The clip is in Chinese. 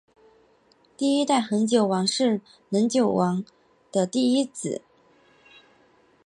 第一代恒久王是能久亲王的第一子。